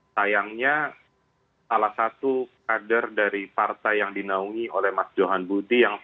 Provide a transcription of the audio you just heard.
sayangnya salah satu kader dari partai yang dinaungi oleh mas johan budi